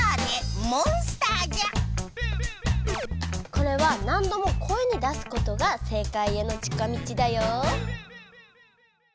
これはなんども声に出すことが正解への近道だよ。